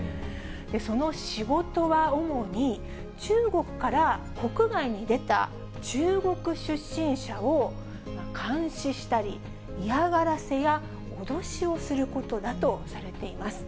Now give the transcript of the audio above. その仕事は主に、中国から国外に出た中国出身者を監視したり、嫌がらせや脅しをすることだとされています。